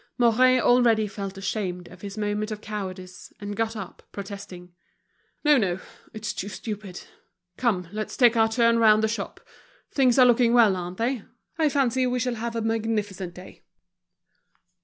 Mouret already felt ashamed of his moment of cowardice, and got up, protesting: "No, no, it's too stupid. Come, let's take our turn round the shop. Things are looking well, aren't they? I fancy we shall have a magnificent day."